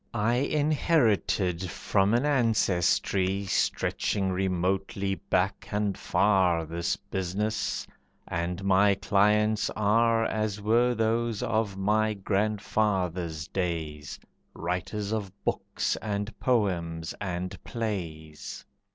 I inherited from an ancestry Stretching remotely back and far, This business, and my clients are As were those of my grandfather's days, Writers of books, and poems, and plays.